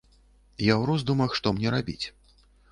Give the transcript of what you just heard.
Я ў роздумах, што мне рабіць.